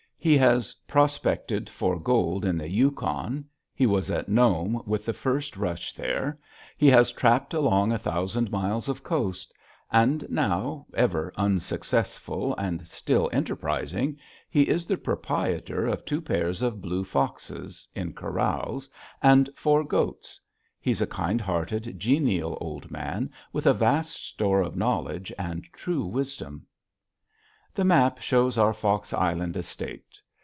He has prospected for gold on the Yukon, he was at Nome with the first rush there, he has trapped along a thousand miles of coast; and now, ever unsuccessful and still enterprising, he is the proprietor of two pairs of blue foxes in corrals and four goats. He's a kind hearted, genial old man with a vast store of knowledge and true wisdom. The map shows our Fox Island estate.